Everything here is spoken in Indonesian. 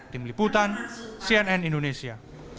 tim liputan cnn indonesia